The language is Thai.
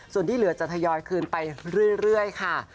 ส่วนที่เหลือจะทยอยคืนไปเรื่อยค่ะ